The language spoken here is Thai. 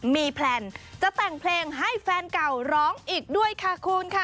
มีแพลนจะแต่งเพลงให้แฟนเก่าร้องอีกด้วยค่ะคุณค่ะ